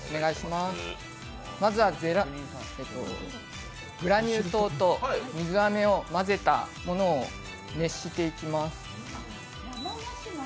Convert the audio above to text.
まずはグラニュー糖と水あめを混ぜたものを熱していきます。